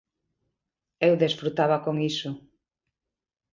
Eu desfrutaba con iso.